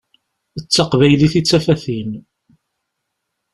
D taqbaylit i d tafat-im.